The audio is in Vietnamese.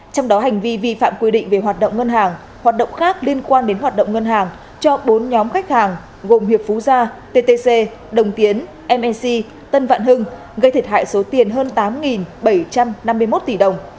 trong đó hành vi vi phạm quy định về hoạt động ngân hàng hoạt động khác liên quan đến hoạt động ngân hàng cho bốn nhóm khách hàng gồm hiệp phú gia ttc đồng tiến mnc tân vạn hưng gây thiệt hại số tiền hơn tám bảy trăm năm mươi một tỷ đồng